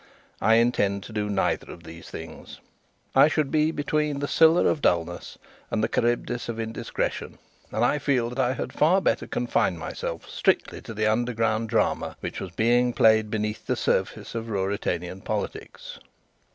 I intend to do neither of these things. I should be between the Scylla of dullness and the Charybdis of indiscretion, and I feel that I had far better confine myself strictly to the underground drama which was being played beneath the surface of Ruritanian politics.